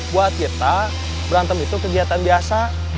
buat kita berantem itu kegiatan biasa